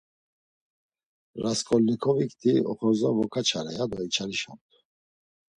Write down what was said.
Rasǩolnikovikti, oxorza voǩaçare, yado içalişamt̆u.